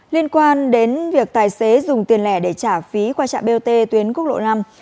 liên quan đến việc tài xế dùng tiền lẻ để trả phí qua trạm bot tuyến quốc lộ năm